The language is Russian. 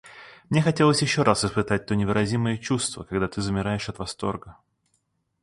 Мне хотелось еще раз испытать то невыразимое чувство, когда ты замираешь от восторга.